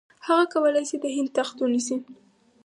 هغه کولای شي د هند تخت ونیسي.